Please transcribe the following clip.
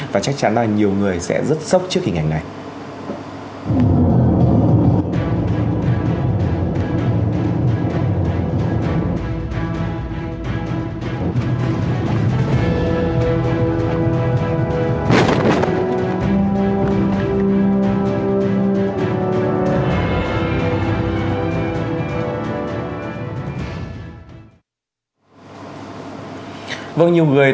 và chắc chắn là nhiều người sẽ rất sốc trước hình ảnh này